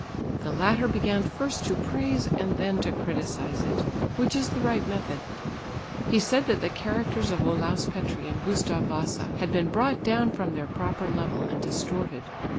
The latter began first to praise, and then to criticise it, which is the right method. He said that the characters of Olaus Petri and Gustav Wasa had been brought down from their proper level and distorted.